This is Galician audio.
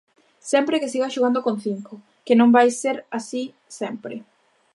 Sempre que siga xogando con cinco, que non vai a ser así sempre.